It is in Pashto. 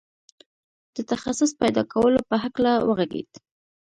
د تخصص پيدا کولو په هکله وغږېد.